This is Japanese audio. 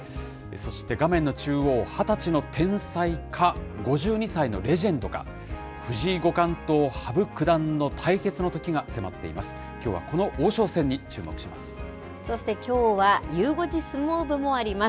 そして画面の中央、２０歳の天才か、５２歳のレジェンドか、藤井五冠と羽生九段の対決の時が迫っています。